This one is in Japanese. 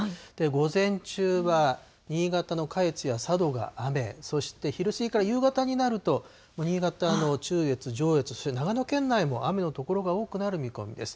午前中は新潟の下越や佐渡が雨、そして昼過ぎから夕方になると、新潟の中越、上越、そして長野県内も雨の所が多くなる見込みです。